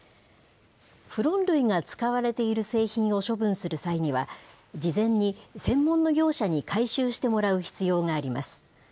フロン類が使われている製品を処分する際には、事前に専門の業者に回収してもらう必要があります。